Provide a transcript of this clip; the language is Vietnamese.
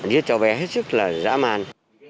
điết cho bé hết sức là dã man